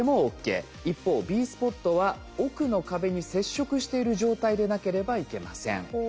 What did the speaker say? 一方Ｂスポットは奥の壁に接触している状態でなければいけません。